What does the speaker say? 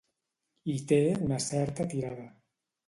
Hi té una certa tirada.